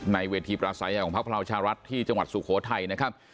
ในเวทีประสัยของพลังประชารัฐที่จังหวัดสุโขทัยนะครับ